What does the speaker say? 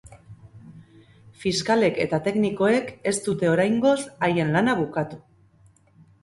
Fiskalek eta teknikoek ez dute oraingoz haien lana bukatu.